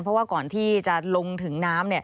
เพราะว่าก่อนที่จะลงถึงน้ำ